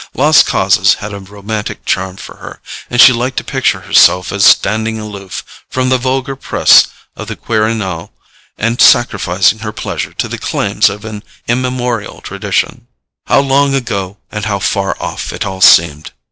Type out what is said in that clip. Lost causes had a romantic charm for her, and she liked to picture herself as standing aloof from the vulgar press of the Quirinal, and sacrificing her pleasure to the claims of an immemorial tradition.... How long ago and how far off it all seemed!